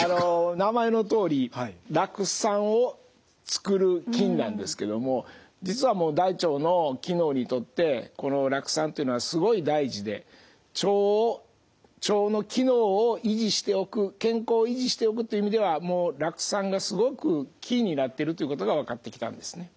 名前のとおり酪酸を作る菌なんですけども実は大腸の機能にとってこの酪酸というのはすごい大事で腸を腸の機能を維持しておく健康を維持しておくという意味ではもう酪酸がすごくキーになってるということが分かってきたんですね。